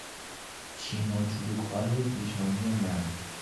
چین و چروکهای پیشانی من